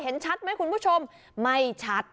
ชัดไหมคุณผู้ชมไม่ชัด